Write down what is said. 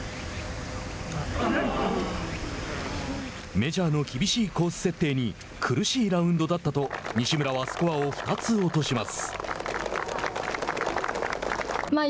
メジャーの厳しいコース設定に苦しいラウンドだったと西村はスコアを２つ落とします。